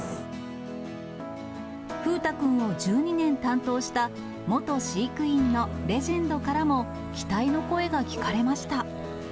風太くんを１２年担当した、元飼育員のレジェンドからも、期待の声が聞かれました。